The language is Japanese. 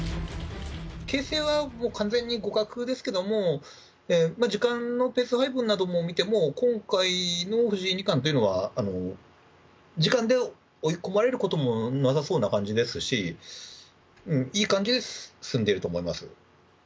形勢はもう完全に互角ですけども、時間のペース配分などを見ても、今回の藤井二冠というのは、時間で追い込まれることもなさそうな感じですし、いい感じで進んでいると思います。